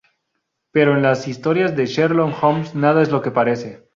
Pero en las historias de Sherlock Holmes nada es lo que parece.